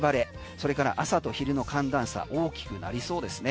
それから朝と昼の寒暖差も大きくなりそうですね。